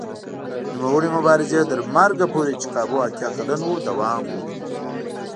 نوموړي مبارزې تر مرګه پورې چې کابو اتیا کلن و دوام وموند.